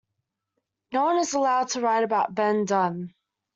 No one is allowed to write about Ben Dunne.